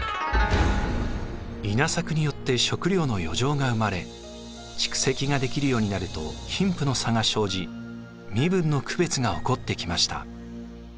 稲作によって食料の余剰が生まれ蓄積ができるようになると貧富の差が生じ身分の区別が起こってきました。